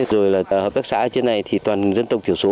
rồi là hợp tác xã ở trên này thì toàn dân tộc thiểu số